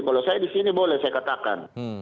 kalau saya di sini boleh saya katakan